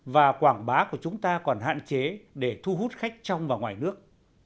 và quảng bá của chúng ta còn hạn chế để thu hút khách trong và ngoài nước